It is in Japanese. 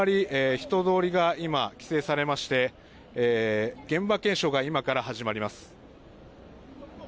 人通りが今、規制されまして現場検証が今から始まります。